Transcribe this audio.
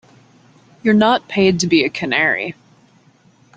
You're not paid to be a canary.